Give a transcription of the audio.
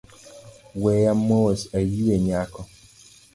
Weya mos ayue nyako